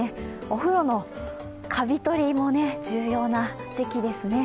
お風呂のカビ取りも重要な時期ですね。